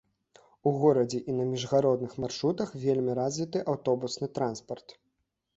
У горадзе і на міжгародніх маршрутах вельмі развіты аўтобусны транспарт.